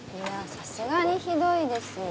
さすがにひどいですよ。